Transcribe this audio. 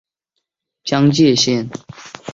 江界线